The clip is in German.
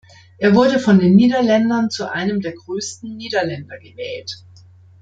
Er wurde von den Niederländern zu einem der größten Niederländer gewählt.